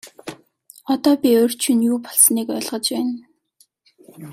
Одоо би урьд шөнө юу болсныг ойлгож байна.